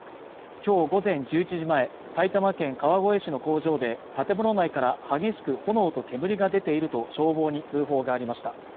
今日午前１１時前埼玉県川越市の工場で建物内から激しく炎と煙が出ていると消防に通報がありました